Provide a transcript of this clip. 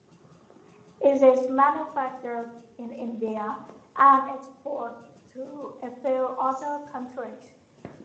It is manufactured in India and exported to a few other countries.